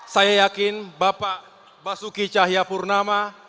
saya yakin bapak basuki cahayapurnama